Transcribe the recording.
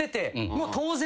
もう当然。